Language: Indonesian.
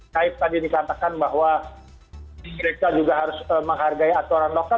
kait tadi dikatakan bahwa mereka juga harus menghargai aturan lokal